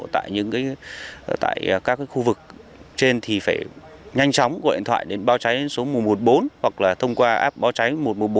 tại các khu vực trên thì phải nhanh chóng gọi điện thoại đến báo cháy số một trăm một mươi bốn hoặc là thông qua app báo cháy một trăm một mươi bốn